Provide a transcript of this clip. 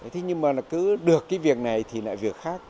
thế nhưng mà là cứ được cái việc này thì lại việc khác